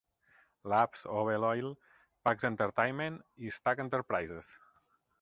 Labs, Ovel Oil, Pax Entertainment i Stagg Enterprises.